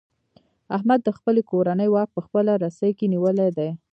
احمد د خپلې کورنۍ واک په خپله رسۍ کې نیولی دی.